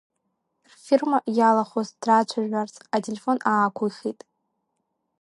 Рфирма иалахәыз драцәажәарц, ателефон аақәихит.